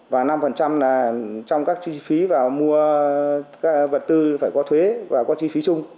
và năm là trong các chi phí vào mua các vật tư phải qua thuế và qua chi phí chung